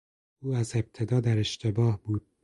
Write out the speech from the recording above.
او از ابتدا در اشتباه بود.